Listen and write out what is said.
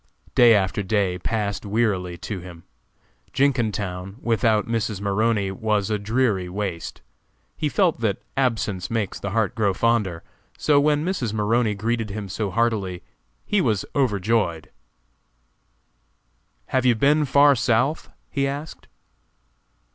Day after day passed wearily to him; Jenkintown without Mrs. Maroney was a dreary waste. He felt that "Absence makes the heart grow fonder," so when Mrs. Maroney greeted him so heartily he was overjoyed. "Have you been far South?" he asked.